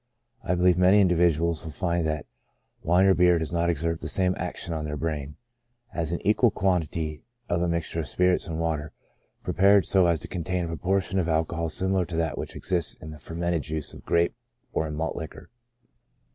I believe many individuals will find that wine or beer does not exert the same action on their brain, as an equal quantity of a mixture of spirits and water, pre pared so as to contain a proportion of alcohol similar to that which exists in the fermented juice of grape or in malt liquor.